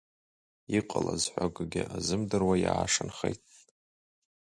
Иҟалаз ҳәа акгьы азымдыруа иаашанхеит!